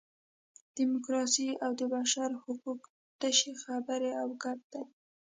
ډیموکراسي او د بشر حقوق تشې خبرې او ګپ دي.